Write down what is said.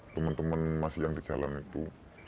teman teman masih yang di jalan itu